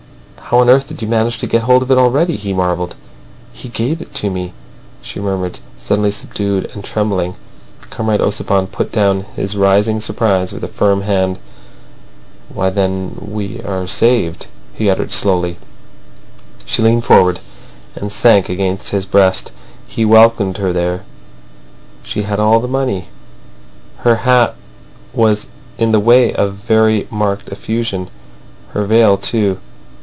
"How on earth did you manage to get hold of it already?" he marvelled. "He gave it to me," she murmured, suddenly subdued and trembling. Comrade Ossipon put down his rising surprise with a firm hand. "Why, then—we are saved," he uttered slowly. She leaned forward, and sank against his breast. He welcomed her there. She had all the money. Her hat was in the way of very marked effusion; her veil too.